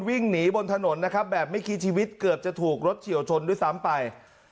วิ่งหนีบนถนนนะครับแบบไม่คิดชีวิตเกือบจะถูกรถเฉียวชนด้วยซ้ำไป